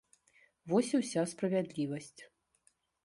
Вось і ўся справядлівасць.